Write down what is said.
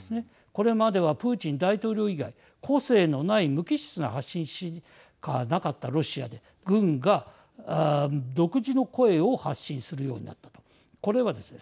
これまではプーチン大統領以外個性のない無機質な発信しかなかったロシアで軍が独自の声を発信するようになったとこれはですね